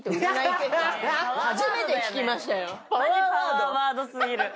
マジパワーワード過ぎる。